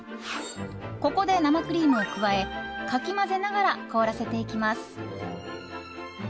ここで生クリームを加えかき混ぜながら凍らせていきます。